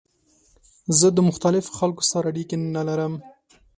زه د مختلفو خلکو سره اړیکه نه لرم.